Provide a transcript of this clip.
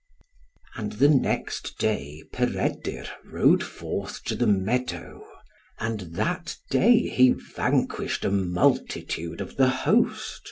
And the next day Peredur rode forth to the meadow; and that day he vanquished a multitude of the host.